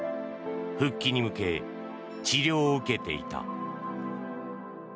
復帰に向け、治療を受けていた。